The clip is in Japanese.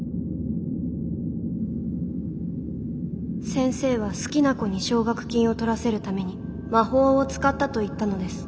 「先生は好きな子に奨学金を取らせるために魔法を使ったと言ったのです。